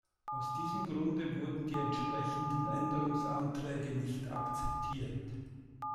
Aus diesem Grunde wurden die entsprechenden Änderungsanträge nicht akzeptiert.